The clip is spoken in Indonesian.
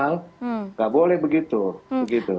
nggak boleh begitu begitu